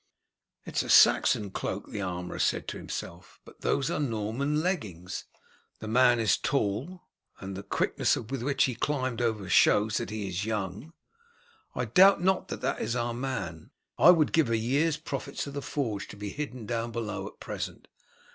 "It is a Saxon cloak," the armourer said to himself, "but those are Norman leggings. The man is tall, and the quickness with which he climbed over shows that he is young. I doubt not that it is our man. I would give a year's profits of the forge to be hidden down below at present.